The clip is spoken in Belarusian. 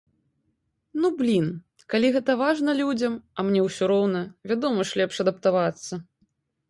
Ну, блін, калі гэта важна людзям, а мне ўсё роўна, вядома ж, лепш адаптавацца.